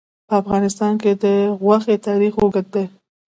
په افغانستان کې د غوښې تاریخ اوږد دی.